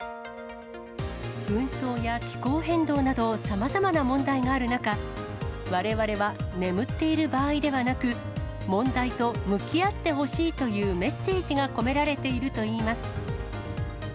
紛争や気候変動など、さまざまな問題がある中、われわれは眠っている場合ではなく、問題と向き合ってほしいというメッセージが込められているといいます。